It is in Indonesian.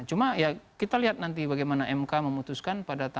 cuma ya kita lihat nanti bagaimana mk memutuskan